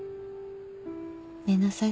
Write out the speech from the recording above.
寝なさい。